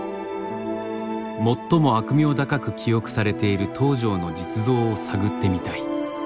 最も悪名高く記憶されている東條の実像を探ってみたい。